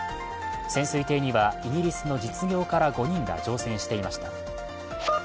潜水艇にはイギリスの実業家ら５人が乗船していました。